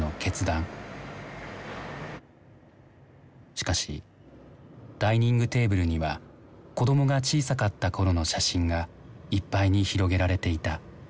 しかしダイニングテーブルには子どもが小さかった頃の写真がいっぱいに広げられていた。